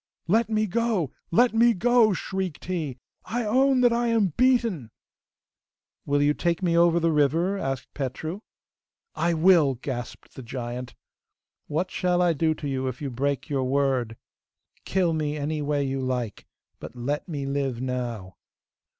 'Let me go! let me go!' shrieked he. 'I own that I am beaten!' 'Will you take me over the river?' asked Petru. 'I will,' gasped the giant. 'What shall I do to you if you break your word?' 'Kill me, any way you like! But let me live now.